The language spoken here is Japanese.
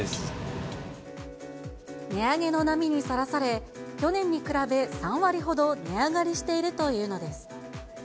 値上げの波にさらされ、去年に比べ、３割ほど値上がりしているというのです。